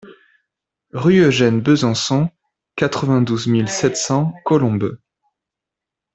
Rue Eugène Besançon, quatre-vingt-douze mille sept cents Colombes